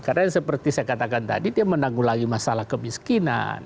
karena seperti saya katakan tadi dia menanggulahi masalah kemiskinan